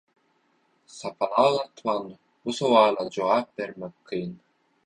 Sapalak atman bu sowala jogap bermek kyn.